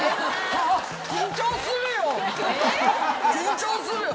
緊張するよ。